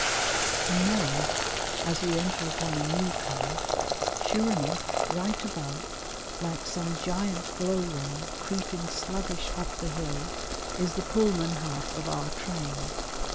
And now as we enter upon a new curve, sure enough right above, like some giant glow worm creeping sluggish up the hill, is the Pullman half of our train.